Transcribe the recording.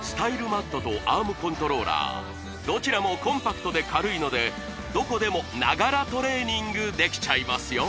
マットとアームコントローラーどちらもコンパクトで軽いのでどこでもながらトレーニングできちゃいますよ